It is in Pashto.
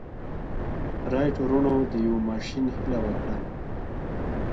رايټ وروڼو د يوه ماشين هيله وکړه.